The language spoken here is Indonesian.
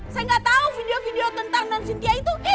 saya gak tau video video tentang nan sintia itu